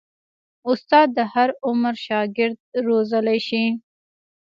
استاد د هر عمر شاګرد روزلی شي.